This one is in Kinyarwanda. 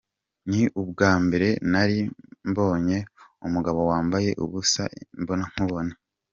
Ni ubwa mbere nari mbonye umugabo wambaye ubusa imbonankubone.